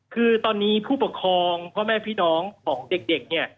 คือตอนนี้ผู้ปกครองพ่อแม่พี่น้องของเด็กเนี่ย